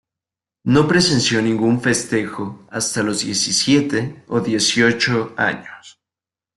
No presenció ningún festejo hasta los diecisiete o dieciocho años.